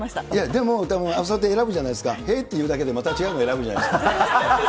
でも、たぶんそうやって選ぶじゃないですか、へーって言うだけで、また違うの選ぶじゃないですか。